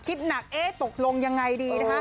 คิดหนักตกลงยังไงดี